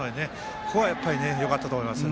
そこがよかったと思います。